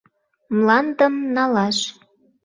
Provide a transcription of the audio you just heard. Мландым налаш.